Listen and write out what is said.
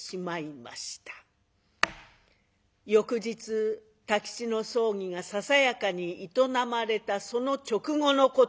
翌日太吉の葬儀がささやかに営まれたその直後のこと。